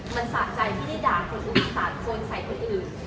มันสะใจที่ได้ด่าคุณสุธิสาดโคนใส่คนอื่น